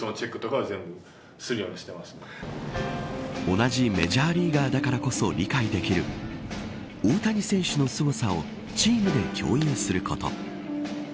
同じメジャーリーガーだからこそ理解できる大谷選手の凄さをチームで共有すること。